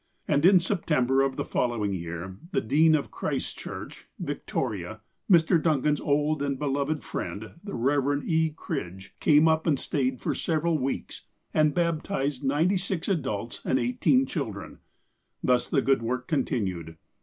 And in September of the following year, the dean of Christ's Church, Victoria, Mr. Duncan's old and beloved friend, the Rev. E. Cridge, came up, stayed for several weeks, and baptized ninety six adults, and eighteen children. Thus, the good work continued.